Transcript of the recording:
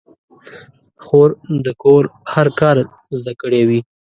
خور د کور هر کار زده کړی وي.